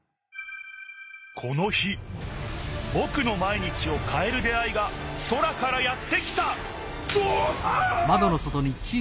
この日ぼくの毎日をかえる出会いが空からやって来たおおっああ！